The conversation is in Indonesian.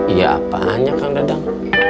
ya apaannya kang dadang